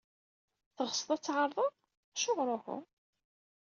Teɣsed ad tɛerḍed? Acuɣer uhu?